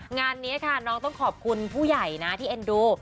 งานนี้ค่ะน้องต้องขอบคุณผู้ใหญ่นะที่เอ็นดู